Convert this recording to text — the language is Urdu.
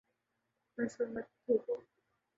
فرش پر مت تھوکو